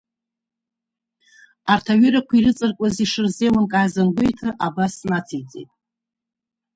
Арҭ аҩырақәа ирыҵаркуаз ишырзелымкааз ангәеиҭа абас нациҵеит…